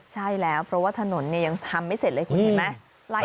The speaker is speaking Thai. ใช่แล้วเพราะว่าถนนเนี่ยยังทำไม่เสร็จเลยคุณเห็นไหม